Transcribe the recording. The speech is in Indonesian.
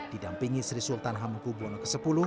didampingi sri sultan hamengku buwono x